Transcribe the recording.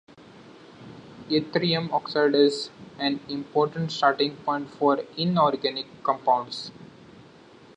Yttrium oxide is an important starting point for inorganic compounds.